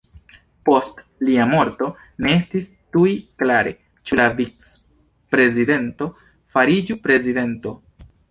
Post lia morto ne estis tuj klare ĉu la vic-predizento fariĝu prezidento.